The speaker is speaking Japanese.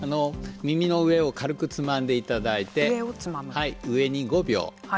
耳の上を軽くつまんでいただいて上に５秒。